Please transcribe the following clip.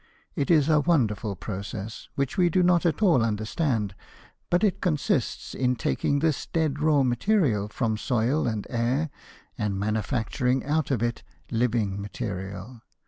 It is a wonderful process, which we do not at all understand, but it consists in taking this dead raw material from soil and air and manufacturing out of it living material.